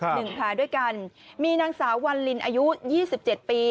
หนึ่งภายด้วยกันมีนางสาววัลลินอายุ๒๗ปี